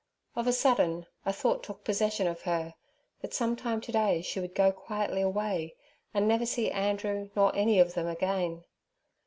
Of a sudden a thought took possession of her, that some time to day she would go quietly away and never see Andrew nor any of them again.